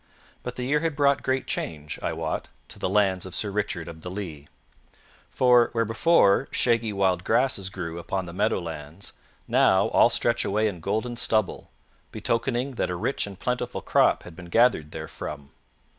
But the year had brought great change, I wot, to the lands of Sir Richard of the Lea; for, where before shaggy wild grasses grew upon the meadow lands, now all stretch away in golden stubble, betokening that a rich and plentiful crop had been gathered therefrom.